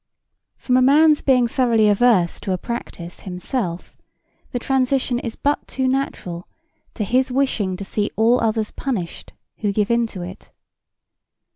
From a man's being thoroughly averse to a practise himself the transition is but too natural to his wishing to see all others punished who give in to it.